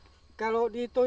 sering sering ditemukan